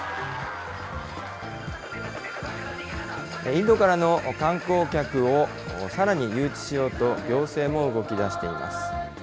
インドからの観光客をさらに誘致しようと、行政も動きだしています。